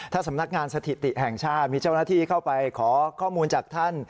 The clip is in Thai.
ถ้าสำนักงานสถิติแห่งชาติมีเจ้าหน้าที่เข้าไปขอข้อมูลจากท่าน